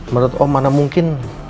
menurut om mana mungkin